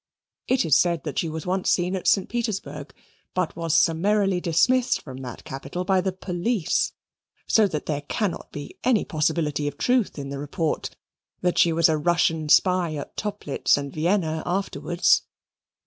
It is said that she was once seen at St. Petersburg, but was summarily dismissed from that capital by the police, so that there cannot be any possibility of truth in the report that she was a Russian spy at Toplitz and Vienna afterwards.